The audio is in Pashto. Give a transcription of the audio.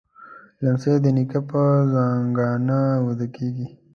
لمسی د نیکه پر زنګانه ویده کېږي.